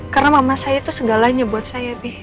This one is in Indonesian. karena mama saya itu segalanya buat saya bi